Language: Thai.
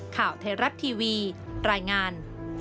ข่าวไทยรัฐทีวีรายงาน